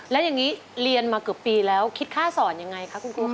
แล้วอย่างนี้เรียนมาเกือบปีแล้วคิดค่าสอนยังไงคะคุณครูค่ะ